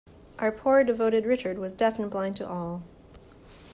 Our poor devoted Richard was deaf and blind to all.